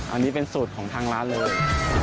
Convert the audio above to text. อันนี้เป็นสูตรของทางร้านเลย